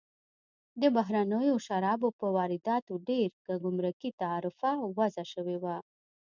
د بهرنیو شرابو پر وارداتو ډېر ګمرکي تعرفه وضع شوې وه.